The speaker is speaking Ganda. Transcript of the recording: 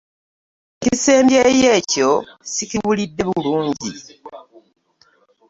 Ekisembyeyo ekyo ssikiwulidde bulungi.